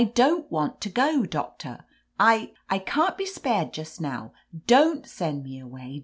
dotft want to go. Doctor; I — ^I can't be spared just now. Don't send me away!